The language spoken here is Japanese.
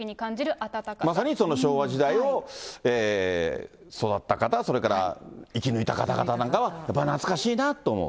まさにその昭和時代を育った方、それから生き抜いた方々なんかは、やっぱり懐かしいなと思う。